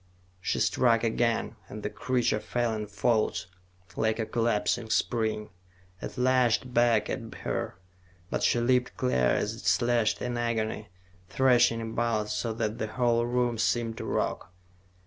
She struck again, and the creature fell in folds, like a collapsing spring. It lashed back at her, but she leaped clear as it slashed in agony, thrashing about so that the whole room seemed to rock.